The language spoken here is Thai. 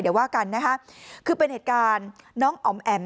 เดี๋ยวว่ากันนะคะคือเป็นเหตุการณ์น้องอ๋อมแอ๋ม